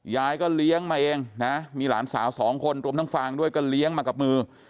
ยายก็เลี้ยงมาเองนะมีหลานสาวสองคนรวมทั้งฟางด้วยก็เลี้ยงมากับมือ